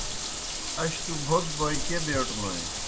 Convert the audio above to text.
اش تُوْ بُھڅ بوئے کیْہ بیٹوْنوئے۔